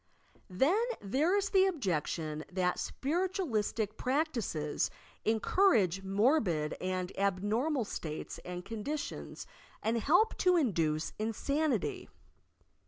Then there is the objection that spiritualistic prac tices encourage morbid and abnormal slates and condi tions and help to induce insanity.